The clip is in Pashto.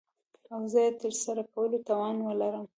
او زه يې دترسره کولو توان وه لرم .